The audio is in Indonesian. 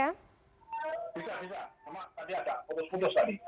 tadi ada bagus bagus tadi